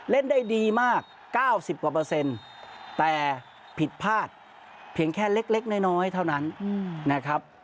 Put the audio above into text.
เล่นได้ดีมาก๙๐กว่าเปอร์เซ็นต์แต่ผิดพลาดเพียงแค่เล็กน้อยเท่านั้นนะครับ